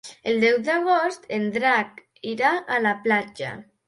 El deu d'agost en Drac irà a la platja.